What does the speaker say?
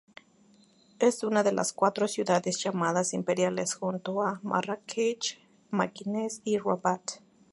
Es una de las cuatro ciudades llamadas "imperiales" junto a Marrakech, Mequinez y Rabat.